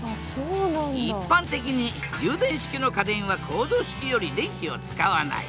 一般的に充電式の家電はコード式より電気を使わない。